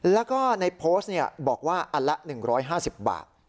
แล้วก็ในโพสต์บอกว่าอันละ๑๕๐บาท